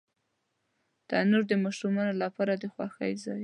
تنور د ماشومانو لپاره د خوښۍ ځای دی